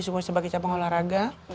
semua sebagai cabang olahraga